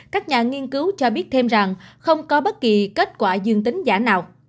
các nhà nghiên cứu cho biết thêm rằng không có bất kỳ kết quả dương tính giả nào